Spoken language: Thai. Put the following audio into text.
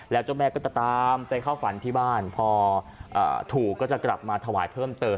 แล้วเจ้าแม่ก็จะตามไปเข้าฝันที่บ้านพอถูกก็จะกลับมาถวายเพิ่มเติม